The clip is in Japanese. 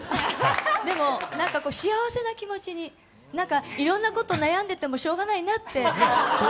でも、なんか幸せな気持ちにいろんなこと悩んでてもしょうがないなって。